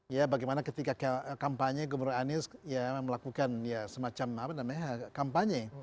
ya bagaimana ketika kampanye gubernur anies ya melakukan semacam apa namanya kampanye